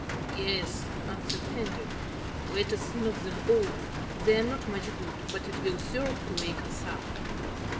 "Yes," answered Hendrik. "Let us knock them over. They're not much good, but it will serve to wake us up."